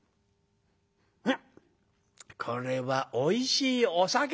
うんこれはおいしいお酒だ」。